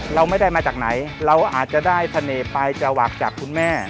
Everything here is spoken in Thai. เราไม่ได้มาจากไหนเราอาจจะได้เสน่ห์ไปจะหวักจากคุณแม่